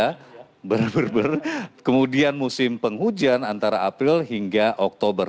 ya ber ber ber kemudian musim penghujan antara april hingga oktober